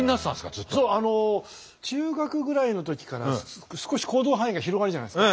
そうあの中学ぐらいの時から少し行動範囲が広がるじゃないですか。